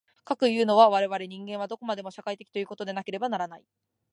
かくいうのは、我々人間はどこまでも社会的ということでなければならない。